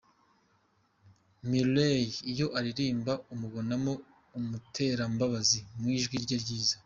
Mireille iyo aririmba umubonamo umuterambabazi mu ijwi rye ryiza.